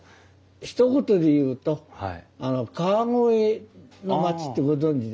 ひと言でいうと川越の町ってご存じですか？